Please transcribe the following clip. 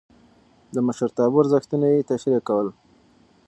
د مشرتابه ارزښتونه يې تشريح کول.